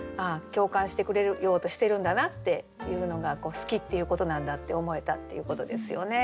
共感してくれようとしてるんだなっていうのが好きっていうことなんだって思えたっていうことですよね。